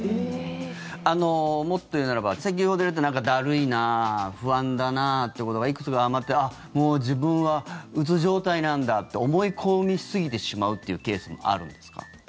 もっと言うならば先ほど言われた、なんかだるいな不安だなってことがいくつか当てはまってもう自分は、うつ状態なんだって思い込みすぎてしまうケースというのもあるんですか？